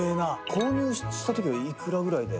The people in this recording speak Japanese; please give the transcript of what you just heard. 「購入した時はいくらぐらいで？」